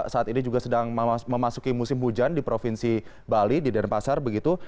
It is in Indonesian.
saat ini juga sedang memasuki musim hujan di provinsi bali di denpasar begitu